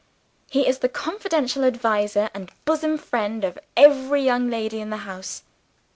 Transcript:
He is the confidential adviser and bosom friend of every young lady in the house.